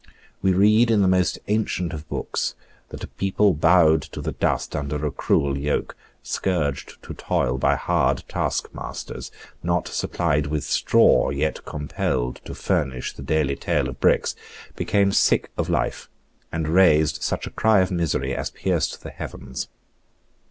We read in the most ancient of books that a people bowed to the dust under a cruel yoke, scourged to toil by hard taskmasters, not supplied with straw, yet compelled to furnish the daily tale of bricks, became sick of life, and raised such a cry of misery as pierced the heavens.